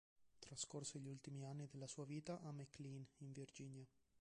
Trascorse gli ultimi anni della sua vita a McLean, in Virginia.